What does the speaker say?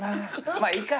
まあいいか。